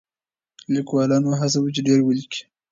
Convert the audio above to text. لیکوالان وهڅوئ چې ډېر ولیکي.